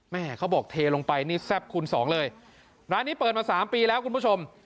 เขาบอกเทลงไปนี่แซ่บคูณสองเลยร้านนี้เปิดมาสามปีแล้วคุณผู้ชม